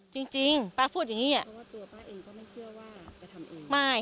จริงป้าพูดอย่างนี้เพราะว่าตัวป้าเองก็ไม่เชื่อว่าจะทำเองไม่